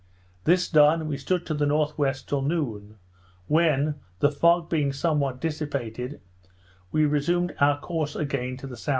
This done, we stood to the N.W. till noon, when, the fog being somewhat dissipated, we resumed our course again to the S.E.